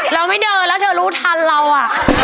เราไม่เดินแล้วเธอรู้ทันเราอ่ะ